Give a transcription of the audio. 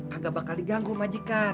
kagak bakal diganggu majikan